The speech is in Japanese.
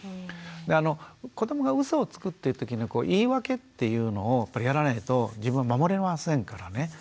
で子どもがうそをつくっていうときに言い訳っていうのをやらないと自分を守れませんからね。